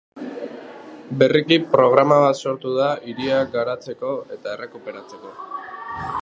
Berriki, programa bat sortu da hiria garatzeko eta errekuperatzeko.